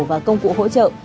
và công cụ hỗ trợ